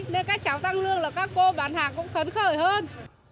nên các cháu tăng lương là các cô bán hàng cũng phấn khởi hơn